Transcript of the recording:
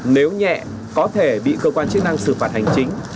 nếu nhẹ có thể bị cơ quan chức năng xử phạt hành chính